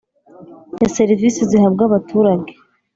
Ya serivisi zihabwa abaturage